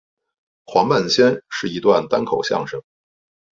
黄半仙是一段单口相声。